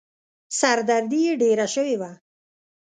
سر دردي يې ډېره شوې وه.